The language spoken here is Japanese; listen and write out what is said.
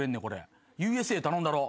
『Ｕ．Ｓ．Ａ．』頼んだろ。